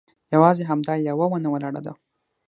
یوازې همدا یوه ونه ولاړه ده.